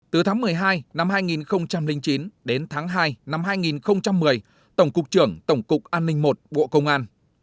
từ tháng một mươi hai năm hai nghìn chín đến tháng hai năm hai nghìn một mươi tổng cục trưởng tổng cục an ninh một bộ công an